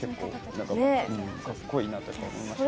かっこいいなって思いました。